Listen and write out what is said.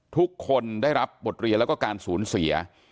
ทุกคนได้รับบทเรียนแล้วก็การสูญเสีย